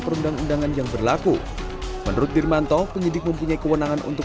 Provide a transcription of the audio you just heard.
perundang undangan yang berlaku menurut dirmanto penyidik mempunyai kewenangan untuk